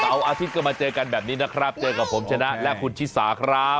อาทิตย์ก็มาเจอกันแบบนี้นะครับเจอกับผมชนะและคุณชิสาครับ